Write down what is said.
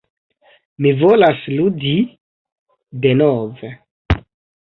Mi volas ludi... denove...